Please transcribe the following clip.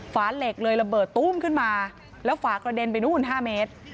ฝาเหล็กเลยระเบิดตู้มขึ้นมาแล้วฝากระเด็นไปนู่น๕เมตร